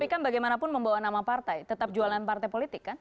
tapi kan bagaimanapun membawa nama partai tetap jualan partai politik kan